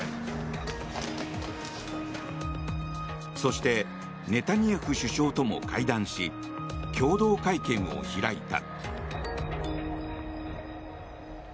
そしてネタニヤフ首相とも会談し共同会見を開いた。